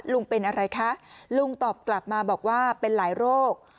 ลุงเป็นอะไรคะลุงตอบกลับมาบอกว่าเป็นหลายโรค